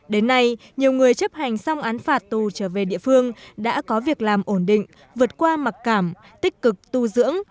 đến nay nhiều người chấp hành xong án phạt tù trở về địa phương đã có việc làm ổn định vượt qua mặc cảm tích cực tu dưỡng